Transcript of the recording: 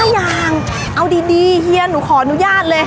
ยังเอาดีเฮียหนูขออนุญาตเลย